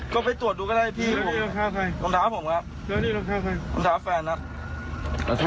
การทิแล้อก้าวใคร